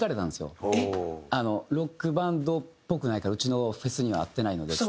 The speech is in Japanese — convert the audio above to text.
ロックバンドっぽくないからうちのフェスには合ってないのでって。